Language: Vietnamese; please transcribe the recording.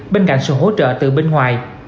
bên cạnh sự hỗ trợ từ bên ngoài